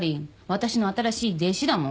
私の新しい弟子だもん。